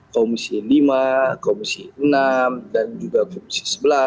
komisi lima komisi enam dan juga komisi sebelas